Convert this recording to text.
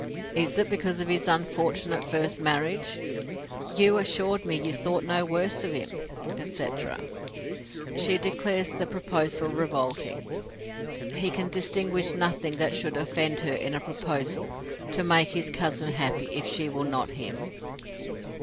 "Is it because of his unfortunate first marriage? You assured me you thought no worse of him," etc. She declares the proposal revolting. He can distinguish nothing that should offend her in a proposal to make his cousin happy if she will not him.